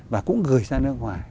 và cũng gửi ra nước ngoài